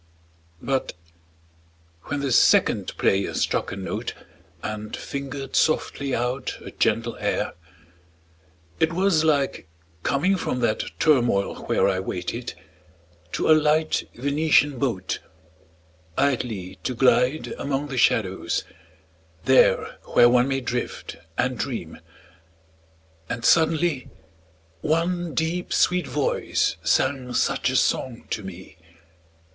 II. But when the second player struck a note And fingered softly out a gentle air It was like coming from that turmoil where I waited, to a light Venetian boat, Idly to glide among the shadows, there Where one may drift and dream; and suddenly One deep sweet voice sang such a song to me.